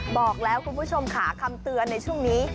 บอกแล้วคุณผู้ชมค่ะคำเตือนในช่วงนี้